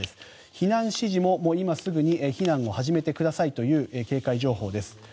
避難指示も今すぐに避難を始めてくださいという警戒情報です。